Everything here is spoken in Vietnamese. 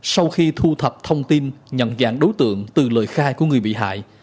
sau khi thu thập thông tin nhận dạng đối tượng từ lời khai của người bị hại